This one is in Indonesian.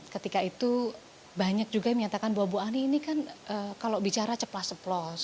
ketika itu banyak juga yang menyatakan bahwa bu ani ini kan kalau bicara ceplas ceplos